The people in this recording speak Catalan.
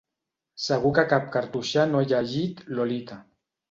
Segur que cap cartoixà no ha llegit Lolita.